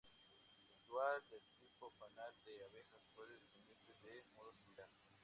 El dual del tipo "panal de abejas" puede definirse de modo similar.